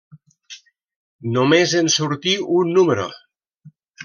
Només en sortí un número.